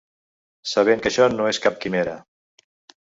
Sabent que això no és cap quimera.